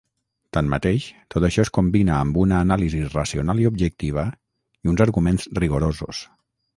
Tanmateix, tot això es combina amb una anàlisi racional i objectiva i uns arguments rigorosos.